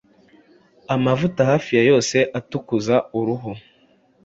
Amavuta hafi ya yose atukuza uruhu